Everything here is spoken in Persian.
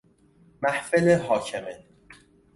محفل حاکمه